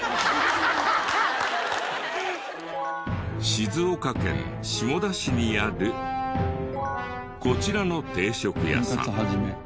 静岡県下田市にあるこちらの定食屋さん。